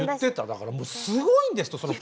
だからすごいんですって。